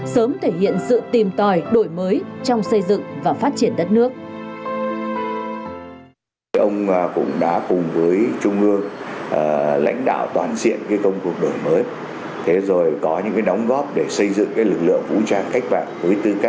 sớm thể hiện sự tìm tòi đổi mới trong xây dựng và phát triển đất nước